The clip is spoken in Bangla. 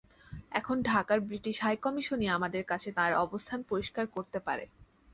এখন ঢাকার ব্রিটিশ হাইকমিশনই আমাদের কাছে তাঁর অবস্থান পরিষ্কার করতে পারে।